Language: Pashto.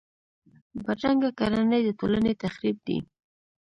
بدرنګه کړنې د ټولنې تخریب دي